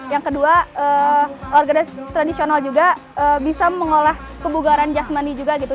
yang kedua organisasi tradisional juga bisa mengolah kebugaran jasmani juga gitu